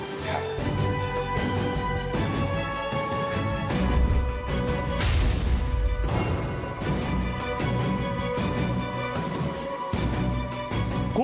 สวัสดีครับ